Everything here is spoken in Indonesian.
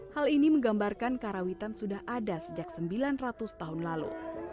hal ini menggambarkan karawitan sudah ada sejak sembilan ratus tahun lalu